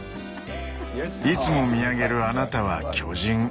「いつも見上げるあなたは巨人。